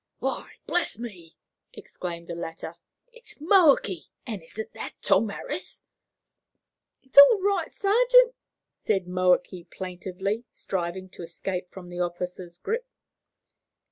"Why, bless me!" exclaimed the latter, "it's Moakey; and isn't that Tom Harris?" "It's all right, sergeant," said Moakey plaintively, striving to escape from the officer's grip.